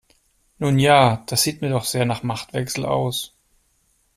Nun ja, das sieht mir doch sehr nach Machtwechsel aus.